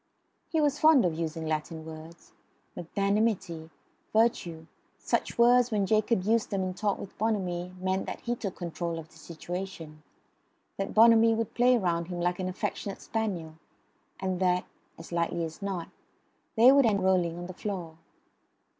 He was fond of using Latin words. Magnanimity, virtue such words when Jacob used them in talk with Bonamy meant that he took control of the situation; that Bonamy would play round him like an affectionate spaniel; and that (as likely as not) they would end by rolling on the floor.